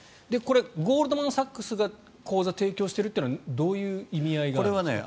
ゴールドマン・サックスが口座を提供しているのはどういう意味合いがあるんでしょうか。